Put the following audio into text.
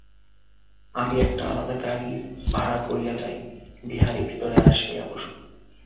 আমি একটা আলাদা গাড়ি ভাড়া করিয়া যাই, বিহারী ভিতরে আসিয়া বসুক।